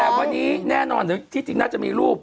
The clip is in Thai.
แต่วันนี้แน่นอนที่จริงน่าจะมีรูป